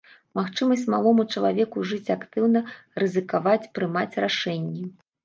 Магчымасць малому чалавеку жыць актыўна, рызыкаваць, прымаць рашэнні.